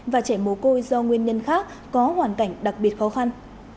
và trẻ mồ côi do nguyên nhân khác có hoàn cảnh đặc biệt khó khăn